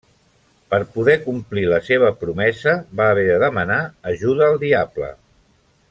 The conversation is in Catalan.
Per poder complir la seva promesa, va haver de demanar ajuda al diable.